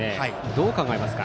どう考えますか？